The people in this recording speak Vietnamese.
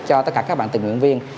cho tất cả các bạn tình nguyện viên